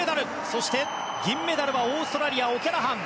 そして銀メダルはオーストラリア、オキャラハン。